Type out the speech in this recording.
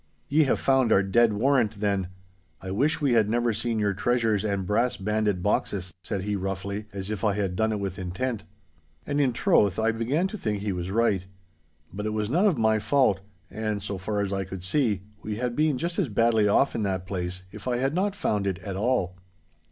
'Ye have found our dead warrant then. I wish we had never seen your treasures and brass banded boxes!' said he roughly, as if I had done it with intent. And in troth I began to think he was right. But it was none of my fault, and, so far as I could see, we had been just as badly off in that place, if I had not found it at all.